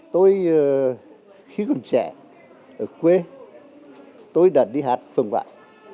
tôi khi còn trẻ ở quê tôi đã đi hát phần bạc